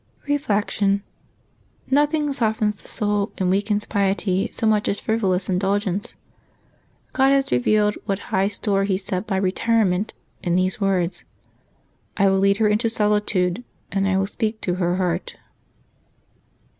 Reflection.— ISTothing softens the soul and weakens piety so much as frivolous indulgence. God has revealed what high store He sets by " retirement " in these words : "I will lead her into solitude, and I will speak to her ieart.'